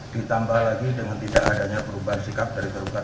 ditambah lagi dengan tidak adanya perubahan sikap dari tergugat